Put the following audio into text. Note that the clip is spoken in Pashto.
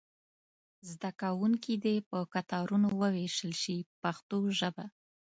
زده کوونکي دې په کتارونو وویشل شي په پښتو ژبه.